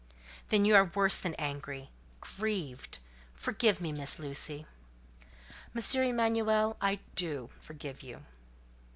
"Then you are worse than angry—grieved. Forgive me, Miss Lucy." "M. Emanuel, I do forgive you."